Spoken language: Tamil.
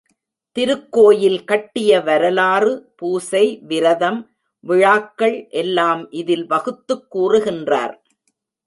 திருக்கோயில் கட்டிய வரலாறு, பூசை, விரதம், விழாக்கள் எல்லாம் இதில் வகுத்துக் கூறுகின்றார்.